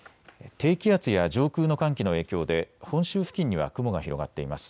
低気圧や上空の寒気の影響で本州付近には雲が広がっています。